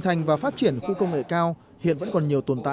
thành tích của các tập thể cá nhân là những tấm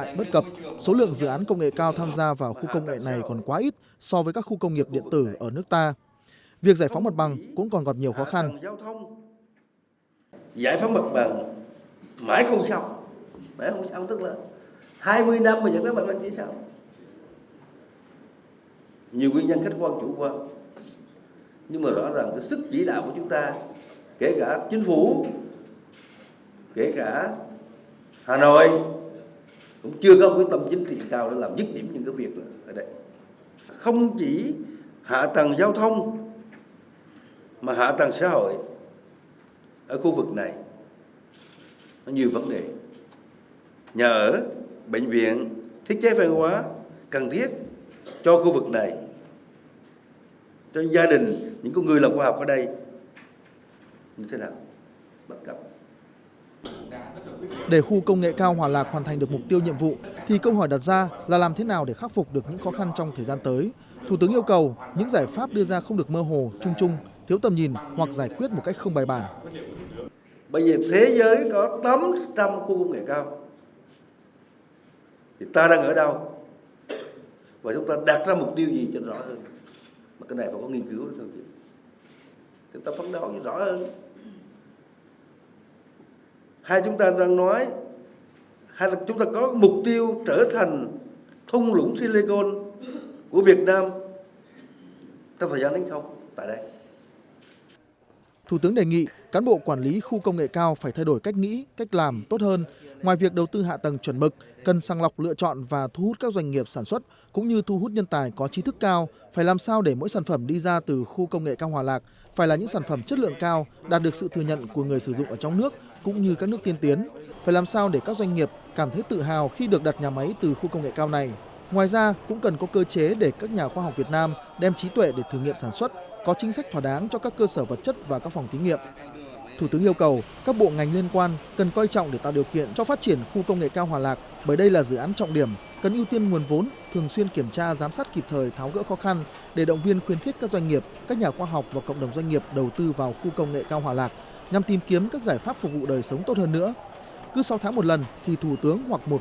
gương sáng sóng động để động viên khơi dậy sự phấn đấu của mỗi người dân thanh hóa nói riêng và người dân cả nước nói chung